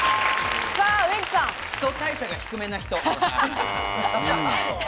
基礎代謝が低めな人。